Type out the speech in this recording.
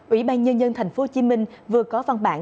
ủy ban nhân dân tp hcm vừa có văn bản